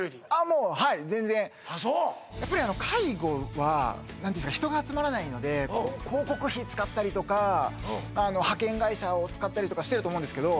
もうはい全然あそうやっぱりあの介護は人が集まらないので広告費使ったりとか派遣会社を使ったりとかしてると思うんですけど